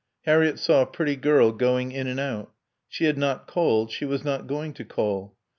Harriett saw a pretty girl going in and out. She had not called; she was not going to call.